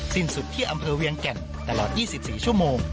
สิ้นสุดที่อำเภอเวียงแก่นตลอด๒๔ชั่วโมง